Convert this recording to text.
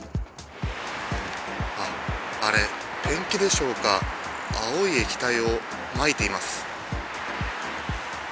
あっ、あれ、ペンキでしょうか、青い液体をまいています。